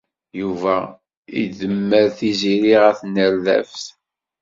Yuba idemmer Tiziri ɣer tnerdabt.